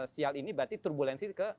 sial ini berarti turbulensi ke